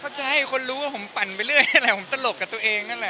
จะให้คนรู้ว่าผมปั่นไปเรื่อยนี่แหละผมตลกกับตัวเองนั่นแหละ